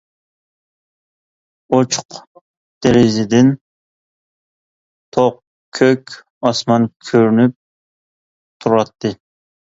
ئوچۇق دېرىزىدىن توق كۆك ئاسمان كۆرۈنۈپ تۇراتتى.